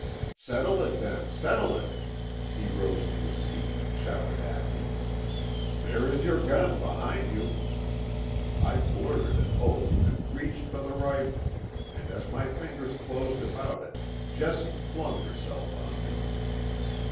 "Settle it then, settle it," he rose to his feet and shouted at me. "There is your gun behind you." I blurted an oath and reached for the rifle, and as my fingers closed about it Jessie flung herself on me.